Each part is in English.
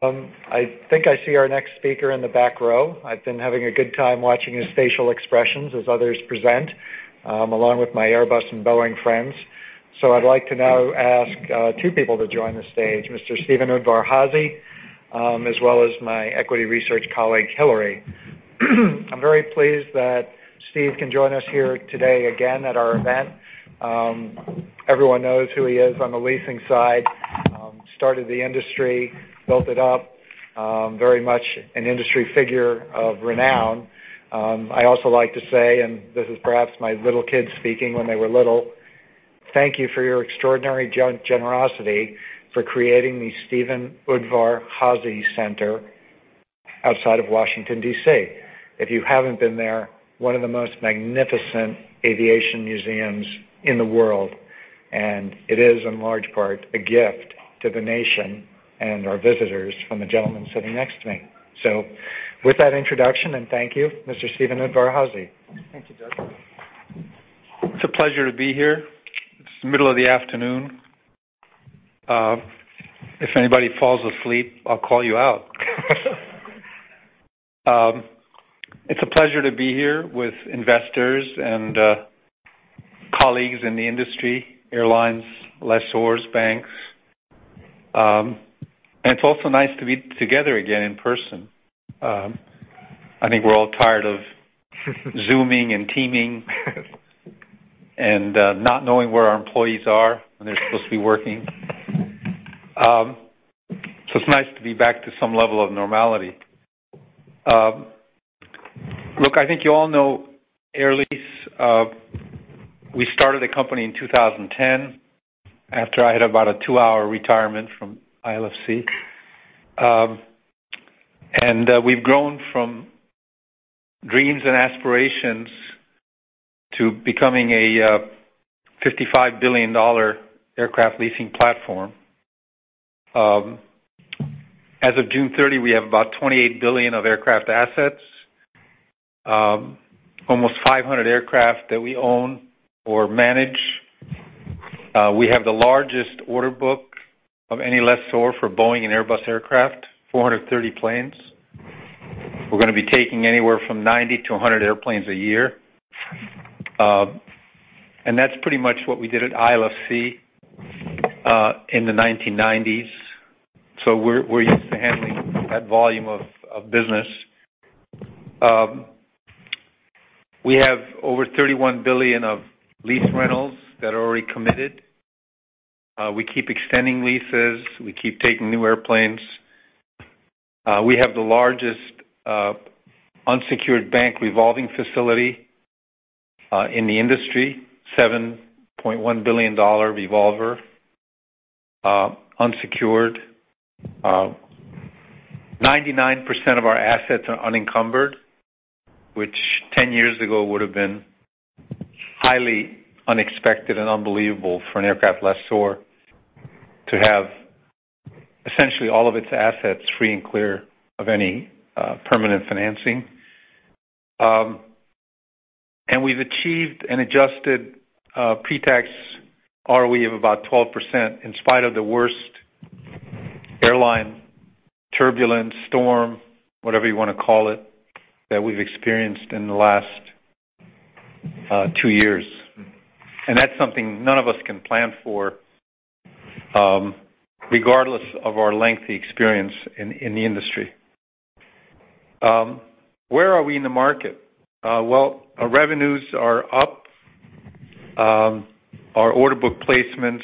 I think I see our next speaker in the back row. I've been having a good time watching his facial expressions as others present, along with my Airbus and Boeing friends. I'd like to now ask two people to join the stage, Mr. Steven Udvar-Házy, as well as my equity research colleague, Hillary. I'm very pleased that Steve can join us here today again at our event. Everyone knows who he is on the leasing side. Started the industry, built it up, very much an industry figure of renown. I also like to say, and this is perhaps my little kids speaking when they were little, thank you for your extraordinary generosity for creating the Steven Udvar-Házy Center outside of Washington, D.C. If you haven't been there, one of the most magnificent aviation museums in the world, and it is in large part, a gift to the nation and our visitors from the gentleman sitting next to me. With that introduction and thank you, Mr. Steven Udvar-Házy. Thank you, Doug. It's a pleasure to be here. It's the middle of the afternoon. If anybody falls asleep, I'll call you out. It's a pleasure to be here with investors and colleagues in the industry, airlines, lessors, banks. It's also nice to be together again in person. I think we're all tired of Zooming and Teaming and not knowing where our employees are when they're supposed to be working. It's nice to be back to some level of normality. Look, I think you all know Air Lease. We started the company in 2010 after I had about a two-hour retirement from ILFC. We've grown from dreams and aspirations to becoming a $55 billion aircraft leasing platform. As of June 30, we have about $28 billion of aircraft assets, almost 500 aircraft that we own or manage. We have the largest order book of any lessor for Boeing and Airbus aircraft, 430 planes. We're gonna be taking anywhere from 90-100 airplanes a year. That's pretty much what we did at ILFC in the 1990s. We're used to handling that volume of business. We have over $31 billion of lease rentals that are already committed. We keep extending leases. We keep taking new airplanes. We have the largest unsecured bank revolving facility in the industry, $7.1 billion revolver, unsecured. 99% of our assets are unencumbered, which 10 years ago would have been highly unexpected and unbelievable for an aircraft lessor to have essentially all of its assets free and clear of any permanent financing. We've achieved an adjusted pre-tax ROE of about 12% in spite of the worst airline turbulence, storm, whatever you wanna call it, that we've experienced in the last two years. That's something none of us can plan for, regardless of our lengthy experience in the industry. Where are we in the market? Well, our revenues are up. Our order book placements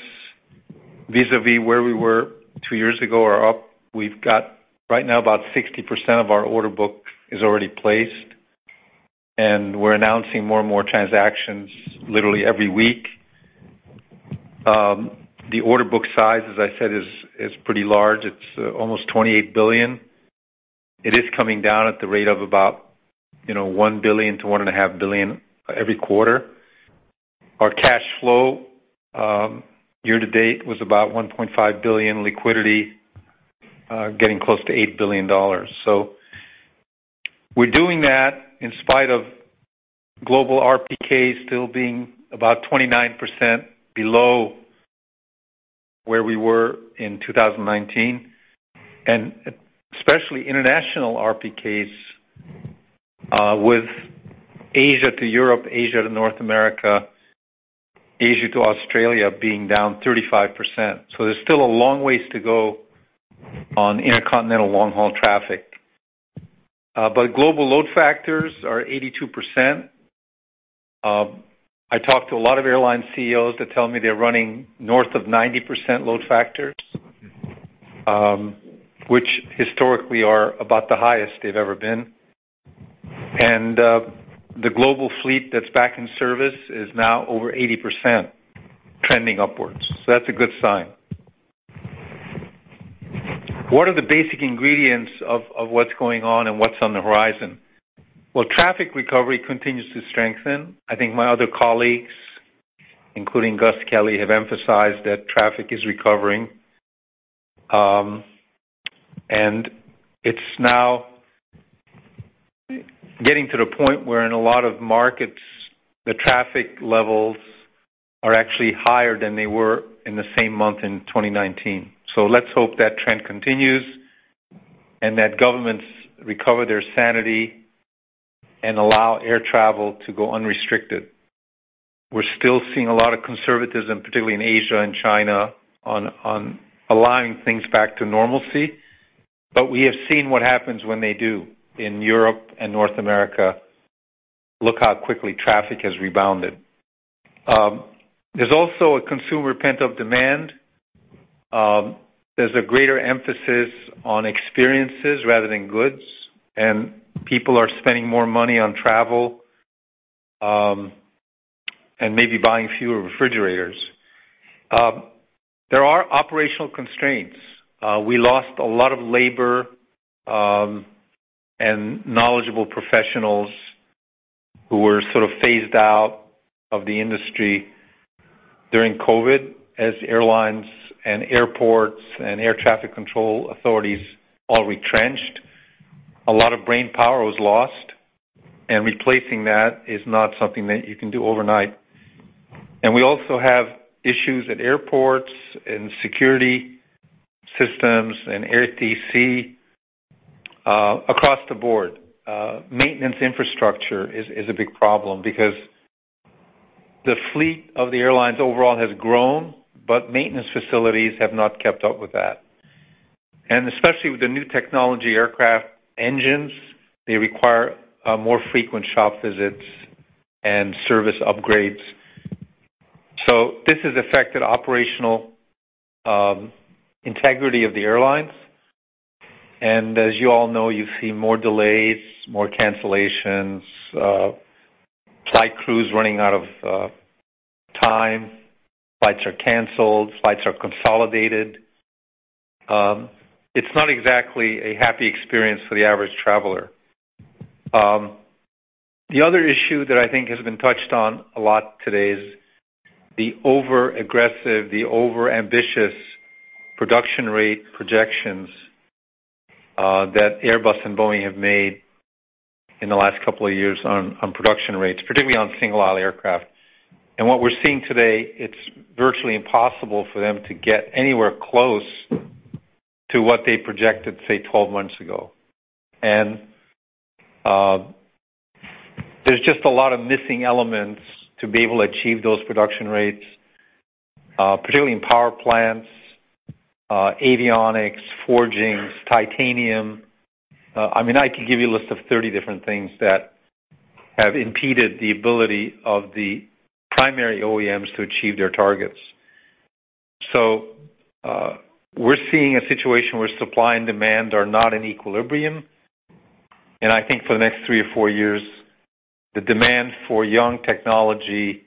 vis-a-vis where we were two years ago are up. We've got, right now, about 60% of our order book is already placed, and we're announcing more and more transactions literally every week. The order book size, as I said, is pretty large. It's almost $28 billion. It is coming down at the rate of about, you know, $1 billion-$1.5 billion every quarter. Our cash flow, year to date was about $1.5 billion liquidity, getting close to $8 billion. We're doing that in spite of global RPK still being about 29% below where we were in 2019, and especially international RPKs, with Asia to Europe, Asia to North America, Asia to Australia being down 35%. There's still a long ways to go on intercontinental long-haul traffic. Global load factors are 82%. I talked to a lot of airline CEOs that tell me they're running north of 90% load factors, which historically are about the highest they've ever been. The global fleet that's back in service is now over 80%, trending upwards. That's a good sign. What are the basic ingredients of what's going on and what's on the horizon? Well, traffic recovery continues to strengthen. I think my other colleagues, including Gus Kelly, have emphasized that traffic is recovering. It's now getting to the point where in a lot of markets, the traffic levels are actually higher than they were in the same month in 2019. Let's hope that trend continues and that governments recover their sanity and allow air travel to go unrestricted. We're still seeing a lot of conservatism, particularly in Asia and China, aligning things back to normalcy, but we have seen what happens when they do in Europe and North America. Look how quickly traffic has rebounded. There's also a consumer pent-up demand. There's a greater emphasis on experiences rather than goods, and people are spending more money on travel, and maybe buying fewer refrigerators. There are operational constraints. We lost a lot of labor and knowledgeable professionals who were sort of phased out of the industry during COVID as airlines and airports and air traffic control authorities all retrenched. A lot of brain power was lost, and replacing that is not something that you can do overnight. We also have issues at airports and security systems and ATC across the board. Maintenance infrastructure is a big problem because the fleet of the airlines overall has grown, but maintenance facilities have not kept up with that. Especially with the new technology aircraft engines, they require more frequent shop visits and service upgrades. This has affected operational integrity of the airlines. As you all know, you see more delays, more cancellations, flight crews running out of time. Flights are canceled. Flights are consolidated. It's not exactly a happy experience for the average traveler. The other issue that I think has been touched on a lot today is the overambitious production rate projections that Airbus and Boeing have made in the last couple of years on production rates, particularly on single-aisle aircraft. What we're seeing today, it's virtually impossible for them to get anywhere close to what they projected, say, 12 months ago. There's just a lot of missing elements to be able to achieve those production rates, particularly in power plants, avionics, forgings, titanium. I mean, I can give you a list of 30 different things that have impeded the ability of the primary OEMs to achieve their targets. We're seeing a situation where supply and demand are not in equilibrium. I think for the next three or four years, the demand for young technology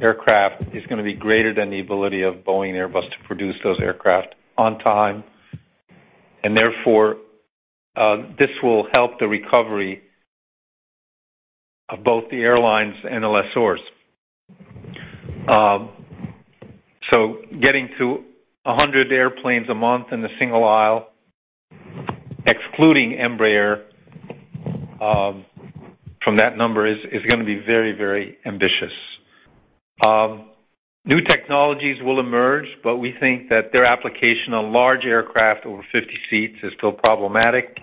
aircraft is gonna be greater than the ability of Boeing and Airbus to produce those aircraft on time. Therefore, this will help the recovery of both the airlines and the lessors. Getting to 100 airplanes a month in the single aisle, excluding Embraer, from that number is gonna be very ambitious. New technologies will emerge, but we think that their application on large aircraft over 50 seats is still problematic,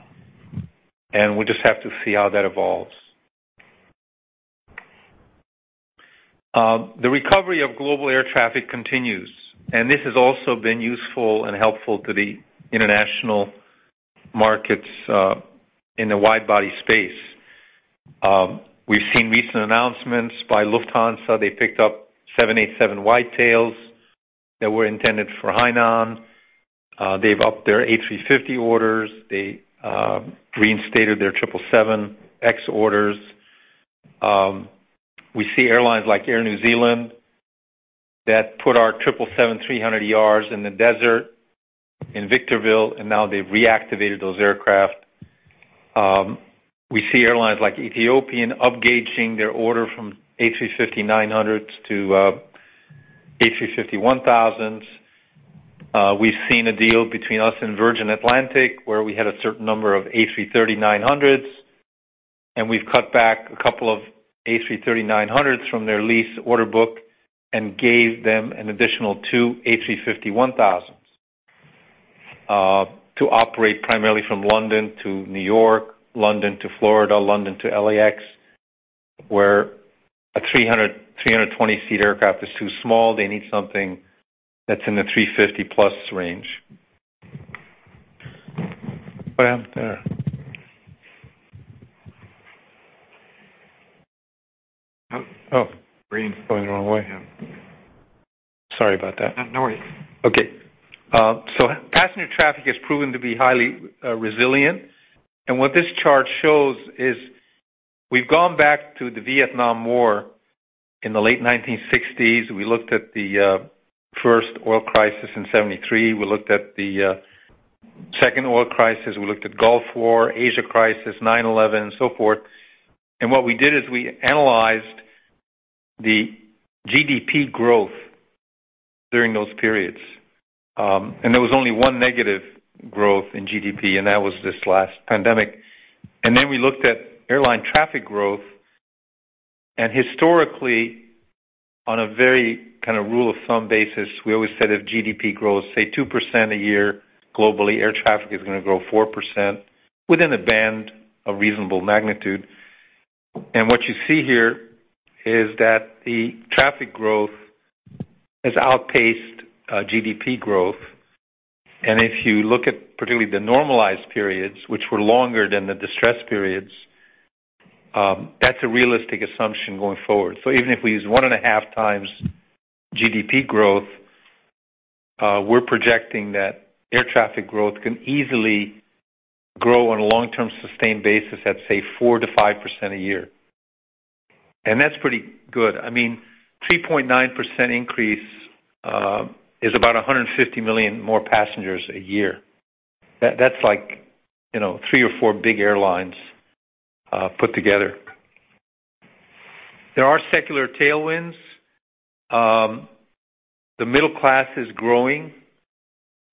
and we just have to see how that evolves. The recovery of global air traffic continues, and this has also been useful and helpful to the international markets in the widebody space. We've seen recent announcements by Lufthansa. They picked up 787 widebodies that were intended for Hainan Airlines. They've upped their A350 orders. They reinstated their 777X orders. We see airlines like Air New Zealand that put our 777-300ERs in the desert in Victorville, and now they've reactivated those aircraft. We see airlines like Ethiopian Airlines upgauging their order from A350-900s to A350-1000s. We've seen a deal between us and Virgin Atlantic, where we had a certain number of A330-900s, and we've cut back a couple of A330-900s from their lease order book and gave them an additional 2 A350-1000s to operate primarily from London to New York, London to Florida, London to LAX, where a 320-seat aircraft is too small. They need something that's in the 350+ range. Passenger traffic has proven to be highly resilient. What this chart shows is we've gone back to the Vietnam War in the late 1960s. We looked at the first oil crisis in 1973. We looked at the second oil crisis. We looked at Gulf War, Asia crisis, 9/11, so forth. What we did is we analyzed the GDP growth during those periods. There was only one negative growth in GDP, and that was this last pandemic. Then we looked at airline traffic growth. Historically, on a very kind of rule of thumb basis, we always said if GDP grows, say, 2% a year, globally, air traffic is gonna grow 4% within a band of reasonable magnitude. What you see here is that the traffic growth has outpaced GDP growth. If you look at particularly the normalized periods, which were longer than the distressed periods, that's a realistic assumption going forward. Even if we use 1.5 times GDP growth, we're projecting that air traffic growth can easily grow on a long-term sustained basis at, say, 4%-5% a year. That's pretty good. I mean, 3.9% increase is about 150 million more passengers a year. That's like, you know, three or four big airlines put together. There are secular tailwinds. The middle class is growing.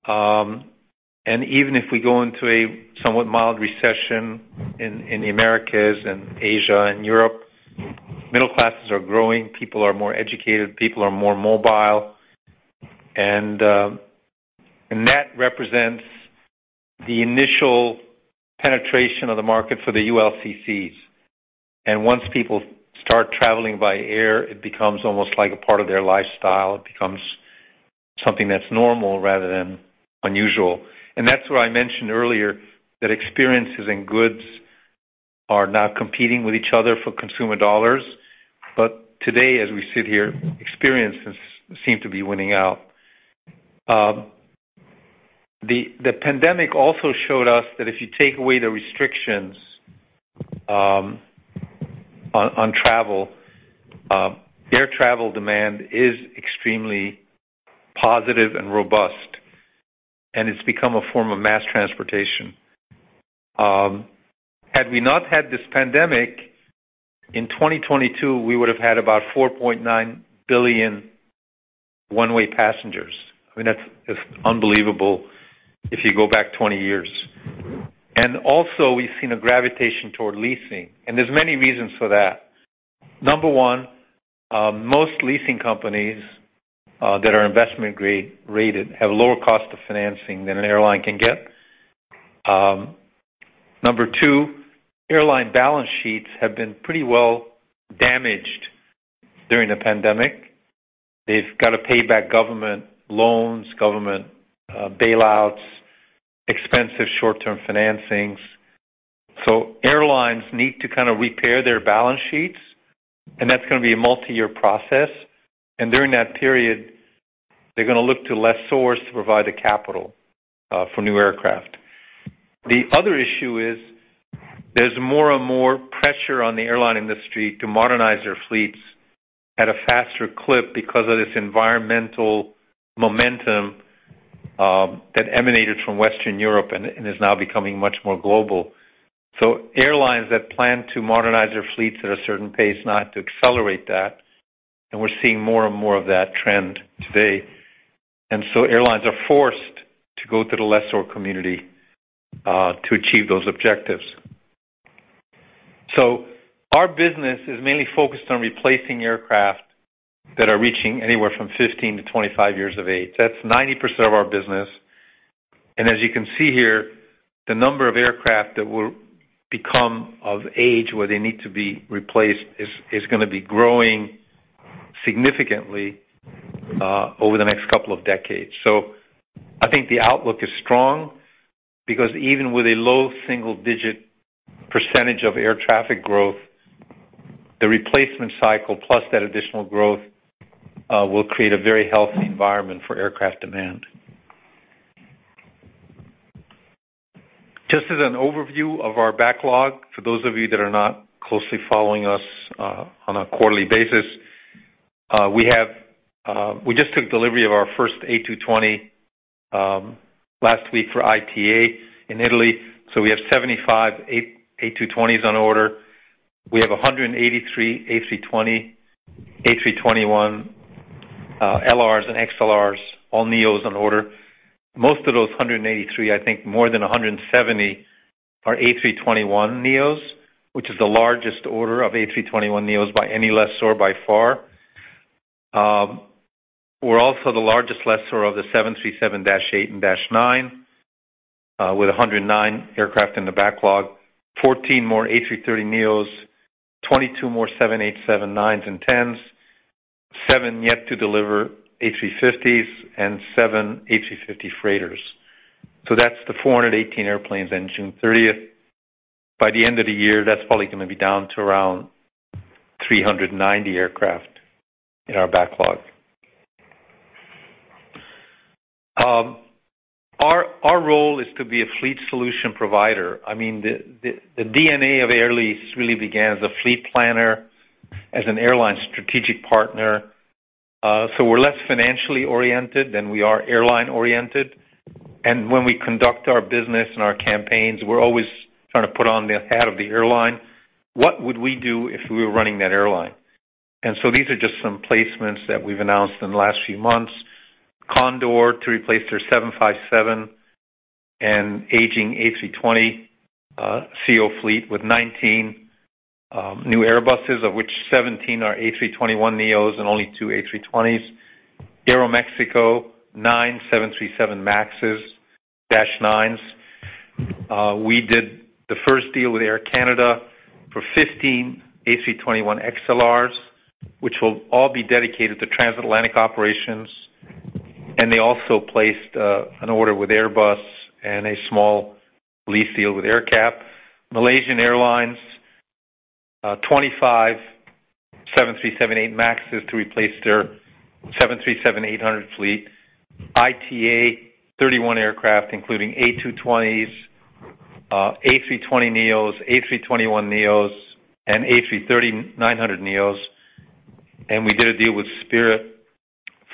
Even if we go into a somewhat mild recession in the Americas and Asia and Europe, middle classes are growing, people are more educated, people are more mobile. That represents the initial penetration of the market for the ULCCs. Once people start traveling by air, it becomes almost like a part of their lifestyle. It becomes something that's normal rather than unusual. That's where I mentioned earlier that experiences and goods are now competing with each other for consumer dollars. Today, as we sit here, experiences seem to be winning out. The pandemic also showed us that if you take away the restrictions on travel, air travel demand is extremely positive and robust, and it's become a form of mass transportation. Had we not had this pandemic, in 2022, we would've had about 4.9 billion one-way passengers. I mean, that's unbelievable if you go back 20 years. We've seen a gravitation toward leasing, and there's many reasons for that. Number one, most leasing companies that are investment-grade rated have lower cost of financing than an airline can get. Number two, airline balance sheets have been pretty well damaged during the pandemic. They've gotta pay back government loans, government bailouts, expensive short-term financings. Airlines need to kinda repair their balance sheets, and that's gonna be a multiyear process. During that period, they're gonna look to lessors to provide the capital for new aircraft. The other issue is there's more and more pressure on the airline industry to modernize their fleets at a faster clip because of this environmental momentum that emanated from Western Europe and is now becoming much more global. Airlines that plan to modernize their fleets at a certain pace now have to accelerate that, and we're seeing more and more of that trend today. Airlines are forced to go to the lessor community to achieve those objectives. Our business is mainly focused on replacing aircraft that are reaching anywhere from 15-25 years of age. That's 90% of our business. As you can see here, the number of aircraft that will become of age, where they need to be replaced is gonna be growing significantly over the next couple of decades. I think the outlook is strong because even with a low single-digit percentage of air traffic growth, the replacement cycle plus that additional growth will create a very healthy environment for aircraft demand. Just as an overview of our backlog, for those of you that are not closely following us on a quarterly basis, we just took delivery of our first A220 last week for ITA in Italy. We have 75 A220s on order. We have 183 A320, A321 LRs and XLRs, all NEOs on order. Most of those 183, I think more than 170 are A321neos, which is the largest order of A321neos by any lessor by far. We're also the largest lessor of the 737-8 and -9, with 109 aircraft in the backlog. 14 more A330neos, 22 more 787-9s and -10s, seven yet to deliver A350s, and seven A350 freighters. That's the 418 airplanes end June thirtieth. By the end of the year, that's probably gonna be down to around 390 aircraft in our backlog. Our role is to be a fleet solution provider. I mean, the DNA of Air Lease really began as a fleet planner, as an airline strategic partner. We're less financially oriented than we are airline-oriented. When we conduct our business and our campaigns, we're always trying to put on the hat of the airline. What would we do if we were running that airline? These are just some placements that we've announced in the last few months. Condor to replace their 757 and aging A320 CEO fleet with 19 new Airbuses, of which 17 are A321neos and only two A320s. Aeroméxico nine 737 MAX-9s. We did the first deal with Air Canada for 15 A321XLRs, which will all be dedicated to transatlantic operations. They also placed an order with Airbus and a small lease deal with AerCap. Malaysia Airlines 25 737-8 MAXs to replace their 737-800 fleet. ITA 31 aircraft, including A220s, A320neos, A321neos and A330-900neos. We did a deal with Spirit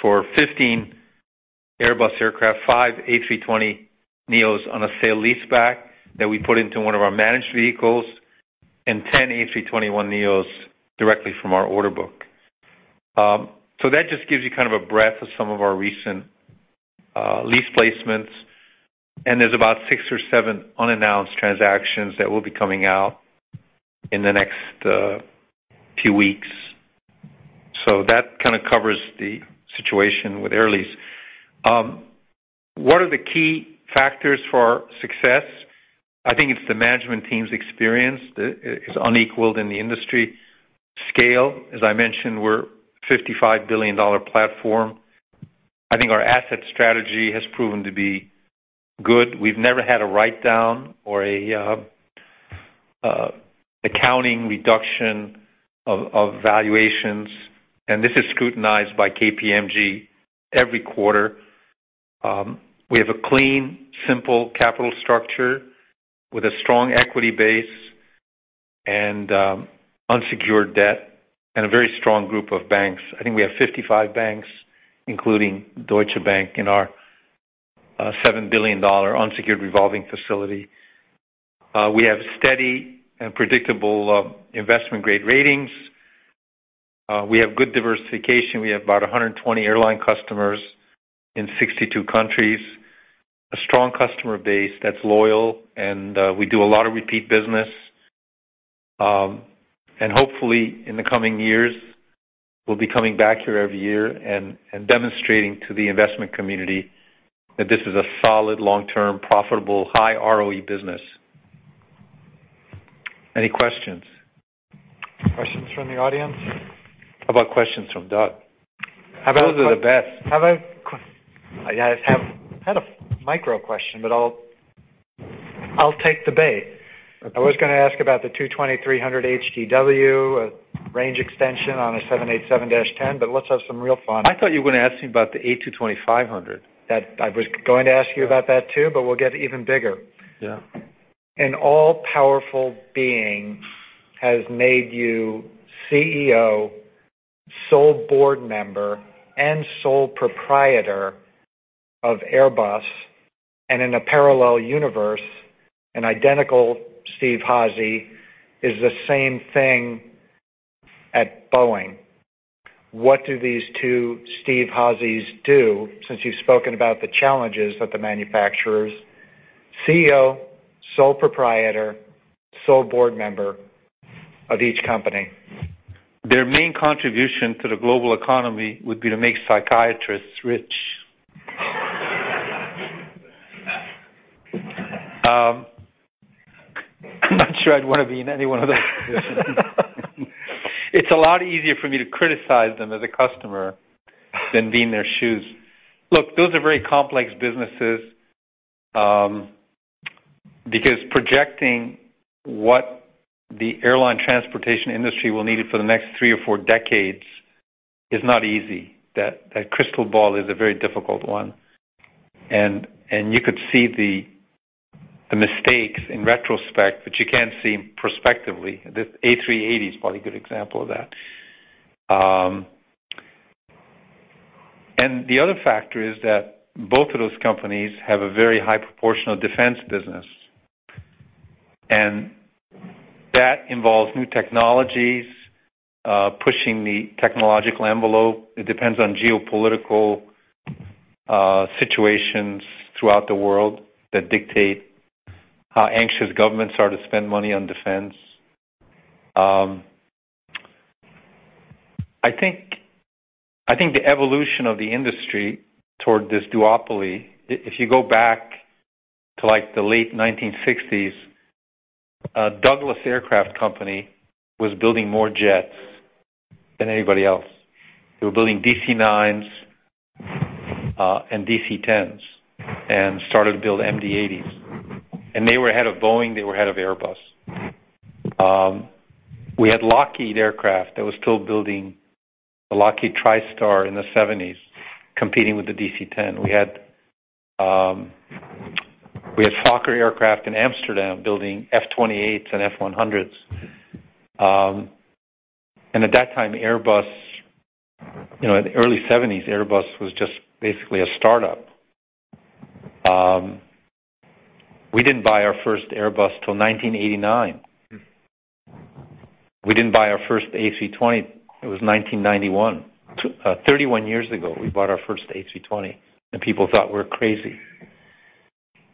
for 15 Airbus aircraft, five A320neos on a sale leaseback that we put into one of our managed vehicles and 10 A321neos directly from our order book. That just gives you kind of a breadth of some of our recent lease placements. There's about six or seven unannounced transactions that will be coming out in the next few weeks. That kind of covers the situation with Air Lease. What are the key factors for success? I think it's the management team's experience. It's unequaled in the industry scale. As I mentioned, we're $55 billion dollar platform. I think our asset strategy has proven to be good. We've never had a write down or a accounting reduction of valuations. This is scrutinized by KPMG every quarter. We have a clean, simple capital structure with a strong equity base and unsecured debt and a very strong group of banks. I think we have 55 banks, including Deutsche Bank in our $7 billion unsecured revolving facility. We have steady and predictable investment-grade ratings. We have good diversification. We have about 120 airline customers in 62 countries, a strong customer base that's loyal, and we do a lot of repeat business. Hopefully in the coming years, we'll be coming back here every year and demonstrating to the investment community that this is a solid, long-term, profitable, high ROE business. Any questions? Questions from the audience? How about questions from Doug? How about- Those are the best. I have a micro question, but I'll take the bait. I was gonna ask about the 2,300 HGW range extension on a 787-10, but let's have some real fun. I thought you were gonna ask me about the A220-500. I was going to ask you about that too, but we'll get even bigger. Yeah. An all-powerful being has made you CEO, sole board member and sole proprietor of Airbus. In a parallel universe, an identical Steven Udvar-Házy is the same thing at Boeing. What do these two Steven Udvar-Házys do, since you've spoken about the challenges that the manufacturers, CEO, sole proprietor, sole board member of each company? Their main contribution to the global economy would be to make psychiatrists rich. I'm not sure I'd want to be in any one of those positions. It's a lot easier for me to criticize them as a customer than be in their shoes. Look, those are very complex businesses, because projecting what the airline transportation industry will need for the next three or four decades is not easy. That crystal ball is a very difficult one. You could see the mistakes in retrospect, but you can't see prospectively. The A380 is probably a good example of that. The other factor is that both of those companies have a very high proportion of defense business, and that involves new technologies, pushing the technological envelope. It depends on geopolitical situations throughout the world that dictate how anxious governments are to spend money on defense. I think the evolution of the industry toward this duopoly, if you go back to like the late 1960s, Douglas Aircraft Company was building more jets than anybody else. They were building DC-9s, and DC-10s and started to build MD-80s. They were ahead of Boeing. They were ahead of Airbus. We had Lockheed Aircraft that was still building the Lockheed TriStar in the 1970s, competing with the DC-10. We had Fokker Aircraft in Amsterdam building F-28s and F100s. And at that time, Airbus, you know, in the early 1970s, Airbus was just basically a startup. We didn't buy our first Airbus till 1989. We didn't buy our first A320. It was 1991. 31 years ago, we bought our first A320, and people thought we were crazy.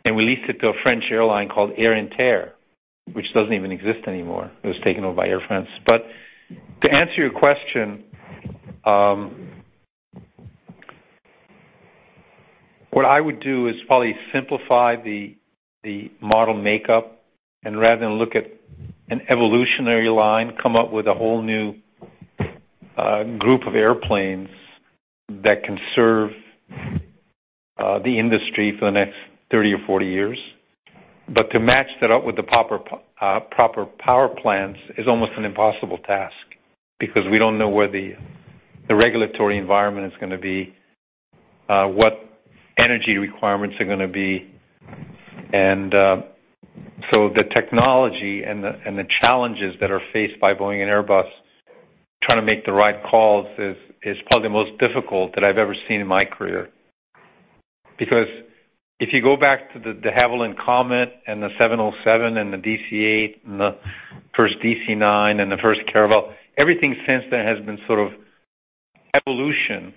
We leased it to a French airline called Air Inter, which doesn't even exist anymore. It was taken over by Air France. To answer your question, what I would do is probably simplify the model makeup and rather than look at an evolutionary line, come up with a whole new group of airplanes that can serve the industry for the next 30 or 40 years. To match that up with the proper power plants is almost an impossible task because we don't know where the regulatory environment is gonna be, what energy requirements are gonna be. The technology and the challenges that are faced by Boeing and Airbus trying to make the right calls is probably the most difficult that I've ever seen in my career. Because if you go back to the de Havilland Comet and the 707 and the DC-8 and the first DC-9 and the first Caravelle, everything since then has been sort of evolution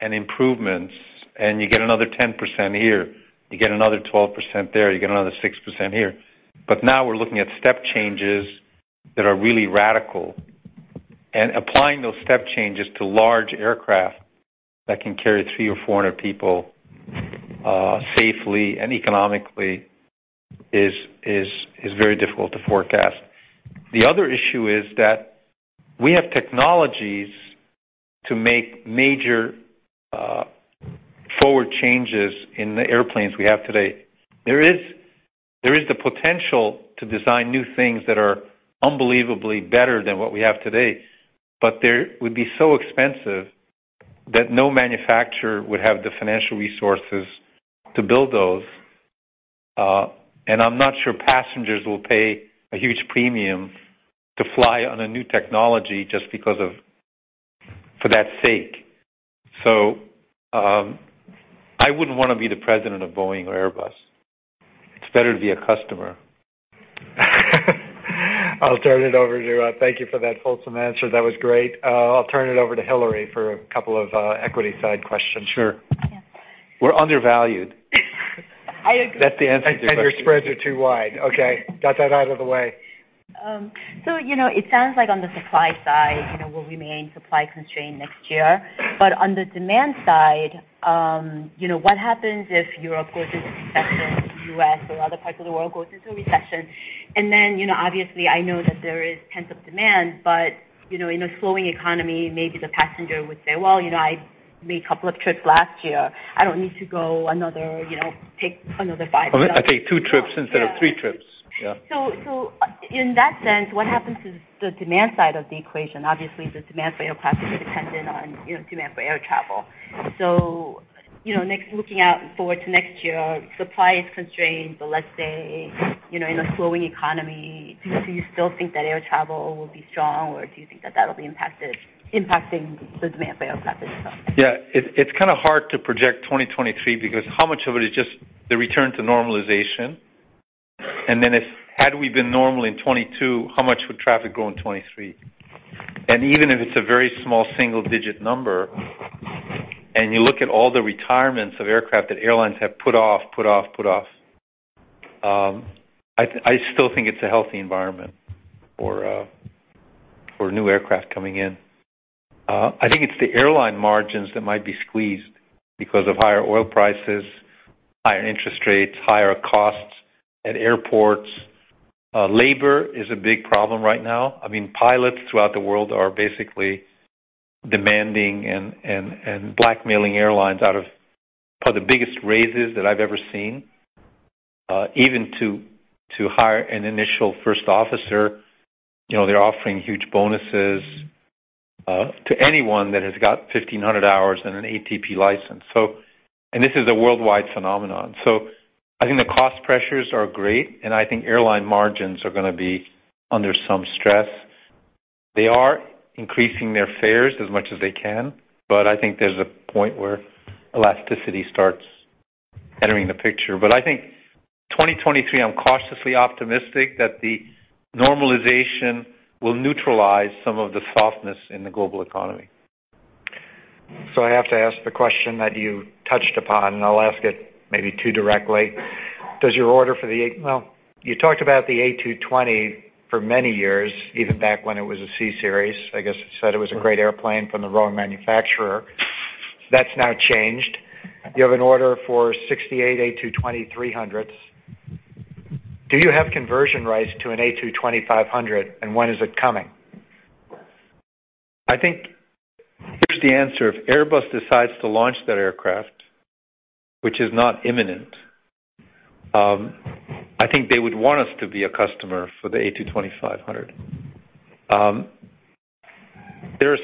and improvements, and you get another 10% here, you get another 12% there, you get another 6% here. Now we're looking at step changes that are really radical. Applying those step changes to large aircraft that can carry 300 or 400 people, safely and economically is very difficult to forecast. The other issue is that we have technologies to make major forward changes in the airplanes we have today. There is the potential to design new things that are unbelievably better than what we have today, but they would be so expensive that no manufacturer would have the financial resources to build those. I'm not sure passengers will pay a huge premium to fly on a new technology for that sake. I wouldn't wanna be the president of Boeing or Airbus. It's better to be a customer. Thank you for that fulsome answer. That was great. I'll turn it over to Hillary for a couple of equity side questions. Sure. Yeah. We're undervalued. I agree. That's the answer to your question. Your spreads are too wide. Okay. Got that out of the way. You know, it sounds like on the supply side, you know, we'll remain supply constrained next year. On the demand side, you know, what happens if Europe goes into recession, U.S. or other parts of the world goes into recession? You know, obviously, I know that there is pent-up demand, but, you know, in a slowing economy, maybe the passenger would say, "Well, you know, I made a couple of trips last year. I don't need to go another, you know, take another five trips. I take two trips instead of three trips. Yeah. In that sense, what happens to the demand side of the equation? Obviously, the demand for aircraft is dependent on, you know, demand for air travel. You know, looking out forward to next year, supply is constrained. Let's say, you know, in a slowing economy, do you still think that air travel will be strong, or do you think that that'll be impacting the demand for aircraft as well? Yeah. It's kinda hard to project 2023 because how much of it is just the return to normalization? Then had we been normal in 2022, how much would traffic grow in 2023? Even if it's a very small single-digit number, and you look at all the retirements of aircraft that airlines have put off, I still think it's a healthy environment for new aircraft coming in. I think it's the airline margins that might be squeezed because of higher oil prices, higher interest rates, higher costs at airports. Labor is a big problem right now. I mean, pilots throughout the world are basically demanding and blackmailing airlines out of probably the biggest raises that I've ever seen. Even to hire an initial first officer, you know, they're offering huge bonuses to anyone that has got 1,500 hours and an ATP license. This is a worldwide phenomenon. I think the cost pressures are great, and I think airline margins are gonna be under some stress. They are increasing their fares as much as they can, but I think there's a point where elasticity starts entering the picture. I think 2023, I'm cautiously optimistic that the normalization will neutralize some of the softness in the global economy. I have to ask the question that you touched upon, and I'll ask it maybe too directly. Does your order? Well, you talked about the A220 for many years, even back when it was a CSeries. I guess you said it was a great airplane from the wrong manufacturer. That's now changed. You have an order for 68 A220-300s. Do you have conversion rights to an A220-500, and when is it coming? I think here's the answer. If Airbus decides to launch that aircraft, which is not imminent, I think they would want us to be a customer for the A220-500. There's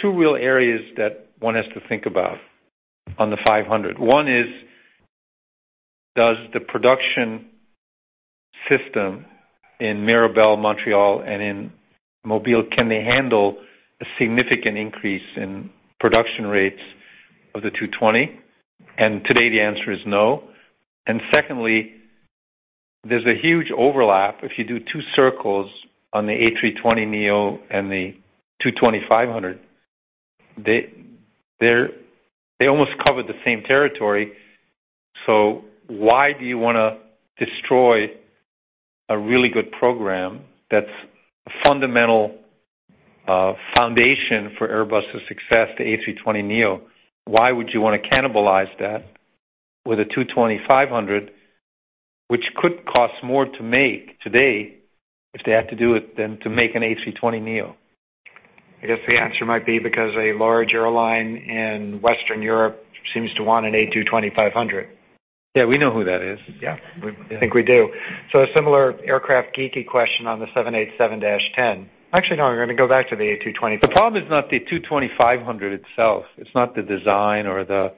two real areas that one has to think about on the 500. One is, does the production system in Mirabel, Montreal, and in Mobile, can they handle a significant increase in production rates of the A220? And today, the answer is no. Secondly, there's a huge overlap. If you do two circles on the A320neo and the A220-500, they almost cover the same territory. Why do you wanna destroy a really good program that's a fundamental foundation for Airbus's success, the A320neo? Why would you wanna cannibalize that with a A220-500, which could cost more to make today if they had to do it than to make an A320neo? I guess the answer might be because a large airline in Western Europe seems to want an A220-500. Yeah, we know who that is. Yeah. I think we do. A similar aircraft geeky question on the 787-10. Actually, no, we're gonna go back to the A220- The problem is not the A220-500 itself. It's not the design or the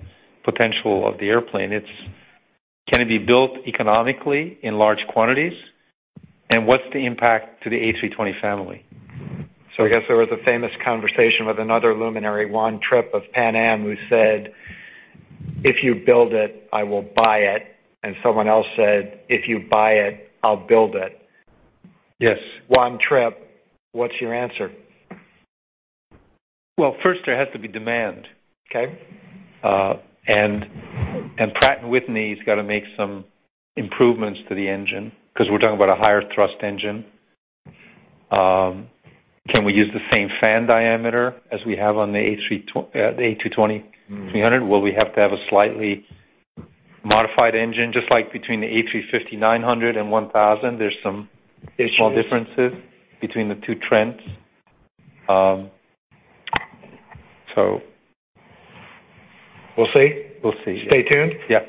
potential of the airplane. It's can it be built economically in large quantities? What's the impact to the A320 family? I guess there was a famous conversation with another luminary, Juan Trippe of Pan Am, who said, "If you build it, I will buy it." Someone else said, "If you buy it, I'll build it. Yes. Juan Trippe, what's your answer? Well, first there has to be demand. Okay. Pratt & Whitney's gotta make some improvements to the engine 'cause we're talking about a higher thrust engine. Can we use the same fan diameter as we have on the A220-300? Will we have to have a slightly modified engine just like between the A350-900 and 1000. There's some Issues. small differences between the two Trents. We'll see? We'll see. Stay tuned. Yeah.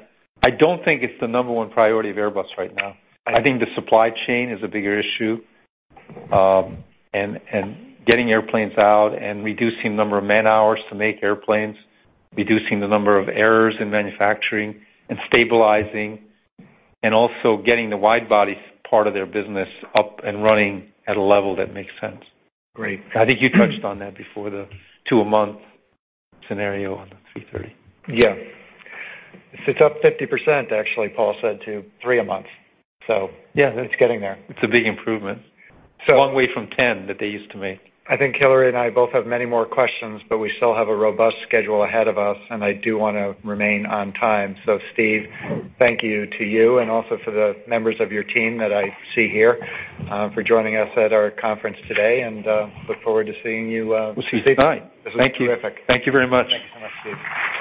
I don't think it's the number one priority of Airbus right now. I think the supply chain is a bigger issue, and getting airplanes out and reducing the number of man-hours to make airplanes, reducing the number of errors in manufacturing and stabilizing and also getting the widebody part of their business up and running at a level that makes sense. Great. I think you touched on that before, the two-a-month scenario on the 330. Yeah. It's up 50%, actually, Paul said, to three-a-month. Yeah. It's getting there. It's a big improvement. It's a long way from 10 that they used to make. I think Hillary and I both have many more questions, but we still have a robust schedule ahead of us, and I do wanna remain on time. Steve, thank you to you and also for the members of your team that I see here, for joining us at our conference today and, look forward to seeing you. We'll see you tonight. Thank you. Thank you very much. Thank you so much, Steve.